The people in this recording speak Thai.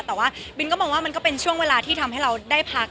แต่ว่าบินก็มองว่ามันก็เป็นช่วงเวลาที่ทำให้เราได้พัก